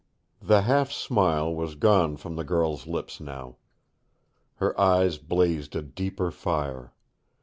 The half smile was gone from the girl's lips now. Her eyes blazed a deeper fire.